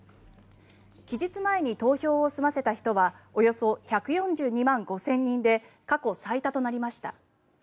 期日前に投票を済ませた人はおよそ１４２万５０００人で過去最多となりました。